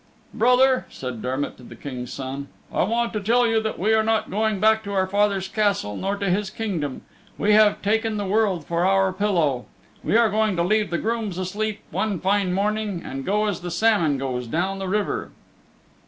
"Brother," said Dermott to the King's Son, "I want to tell you that we are not going back to our father's Castle nor to his Kingdom. We have taken the world for our pillow. We are going to leave the grooms asleep one fine morning, and go as the salmon goes down the river."